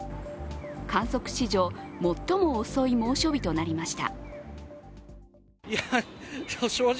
観測史上最も遅い猛暑日となりました。